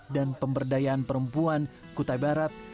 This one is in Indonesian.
dan pemberdayaan perempuan kutai barat